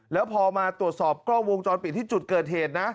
แล้วพอมาตรวจสอบกล้องวงจรปิดที่จุดเกิดเหตุนะ